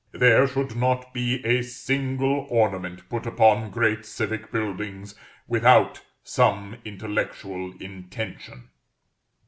There should not be a single ornament put upon great civic buildings, without some intellectual intention.